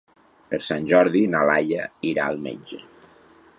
Per Sant Jordi na Laia irà al metge.